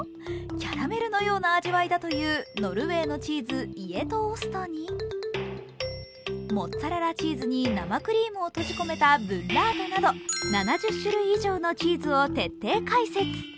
キャラメルのような味わいだというノルウェーのチーズイエトオストにモッツァレラチーズに生クリームを閉じ込めたブッラータなど７０種類以上のチーズを徹底解説。